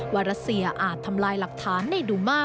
รัสเซียอาจทำลายหลักฐานในดูมา